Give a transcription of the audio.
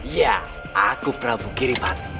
ya aku prabu giripati